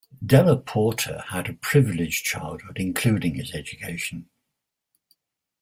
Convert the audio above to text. Della Porta had a privileged childhood including his education.